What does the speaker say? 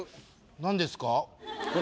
何ですか？